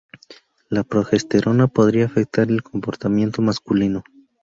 La progesterona podría afectar el comportamiento masculino.